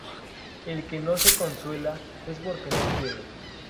El que no se consuela es por que no quiere